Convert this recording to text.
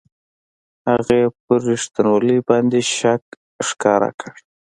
هغه یې پر رښتینوالي باندې شک ښکاره کړ.